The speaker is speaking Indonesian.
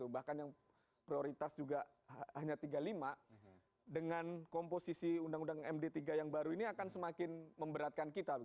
bahkan yang prioritas juga hanya tiga puluh lima dengan komposisi undang undang md tiga yang baru ini akan semakin memberatkan kita